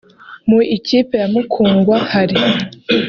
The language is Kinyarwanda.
Mu ikipe ya Mukungwa hari